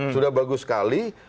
sudah bagus sekali